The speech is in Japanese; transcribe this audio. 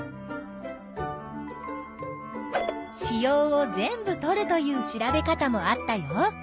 子葉を全部とるという調べ方もあったよ。